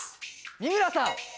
三村さん！